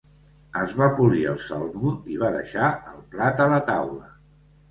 Es va polir el salmó i va deixar el plat a la taula.